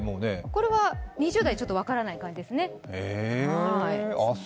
これは２０代、ちょっと分からない感じですね。